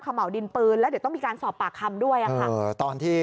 เหมาดินปืนแล้วเดี๋ยวต้องมีการสอบปากคำด้วยค่ะตอนที่